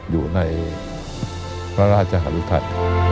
อยู่ในพระราชหารุธัย